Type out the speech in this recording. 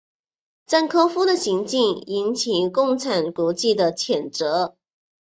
赞科夫的行径引起共产国际的谴责。